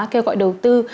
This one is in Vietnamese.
kêu gọi đầu tư